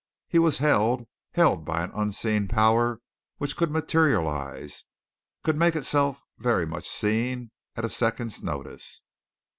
He was held held by an unseen power which could materialize, could make itself very much seen, at a second's notice.